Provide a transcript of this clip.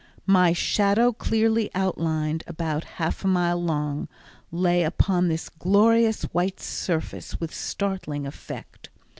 My shadow, clearly outlined, about half a mile long, lay upon this glorious white surface with startling effect.